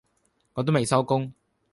我都未收工